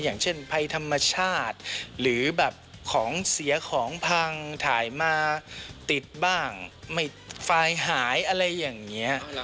อย่างเช่นภัยธรรมชาติหรือแบบของเสียของพังถ่ายมาติดบ้างไม่ไฟล์หายอะไรอย่างนี้